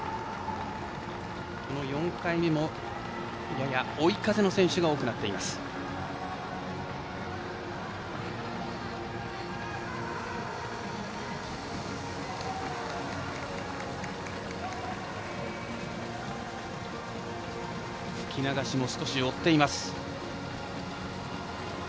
４回目も追い風の選手が多くなっています。